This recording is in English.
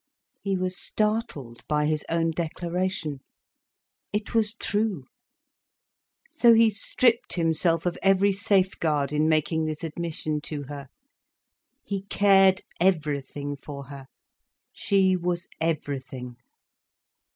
He was startled by his own declaration. It was true. So he stripped himself of every safeguard, in making this admission to her. He cared everything for her—she was everything.